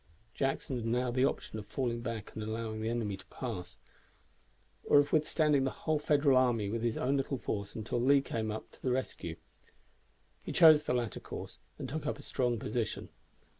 Jackson had now the option of falling back and allowing the enemy to pass, or of withstanding the whole Federal army with his own little force until Lee came up to the rescue. He chose the latter course, and took up a strong position.